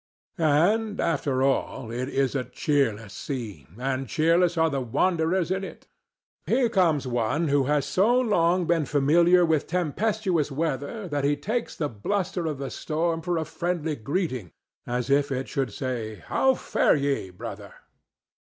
And, after all, it is a cheerless scene, and cheerless are the wanderers in it. Here comes one who has so long been familiar with tempestuous weather that he takes the bluster of the storm for a friendly greeting, as if it should say, "How fare ye, brother?"